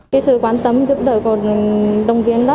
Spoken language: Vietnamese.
cái sự quan tâm giúp đỡ cô